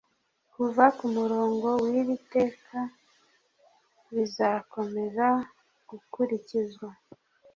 kuva kumurongo wiri teka bizakomeza gukurikizwa